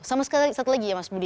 sama sekali satu lagi ya mas budi